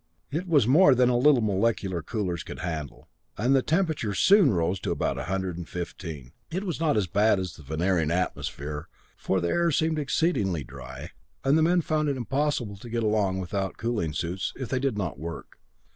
It was more than the little molecular coolers could handle, and the temperature soon rose to about a hundred and fifteen. It was not as bad as the Venerian atmosphere, for the air seemed exceedingly dry, and the men found it possible to get along without cooling suits, if they did not work.